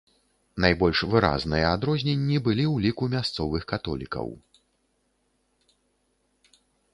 Найбольш выразныя адрозненні былі ў ліку мясцовых католікаў.